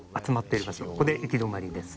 「ここで行き止まりです」